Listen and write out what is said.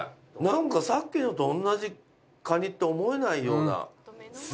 さっきのと同じ蟹って思えないような。